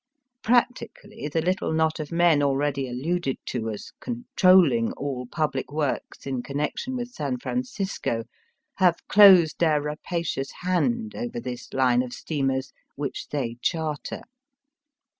Practically the little knot of men already alluded to as " controlling " all public works in connection with San Fran cisco have closed their rapacious hand over this line of steamers which they charter.